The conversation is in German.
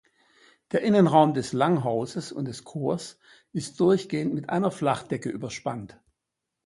Der Innenraum des Langhauses und des Chors ist durchgehend mit einer Flachdecke überspannt.